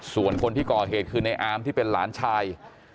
ส่วนคนที่ก่อเหตุคือในอามที่เป็นหลานชาย